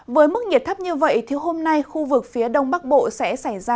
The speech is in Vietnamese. với mức nhiệt thấp như vậy hôm nay khu vực phía đông bắc bộ sẽ xảy ra